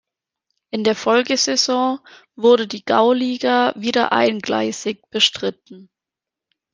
In der Folgesaison wurde die Gauliga wieder eingleisig bestritten.